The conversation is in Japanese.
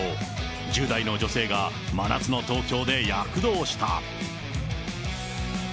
１０代の女性が真夏の東京で躍動した。